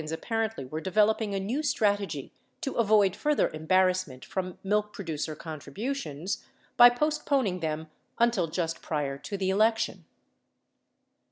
714 were developing a new strategy to avoid further embarrassment from milk producer contributions by postponing them until just prior to the election.